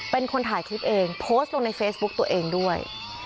เป็นคนถ่ายคลิปเองโพสต์ลงในเฟซบุ๊กตัวเองด้วย